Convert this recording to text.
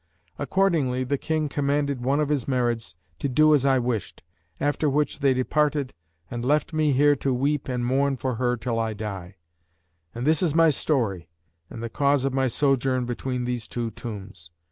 Accordingly, the King commanded one of his Marids to do as I wished, after which they departed and left me here to weep and mourn for her till I die. And this is my story and the cause of my sojourn between these two tombs.'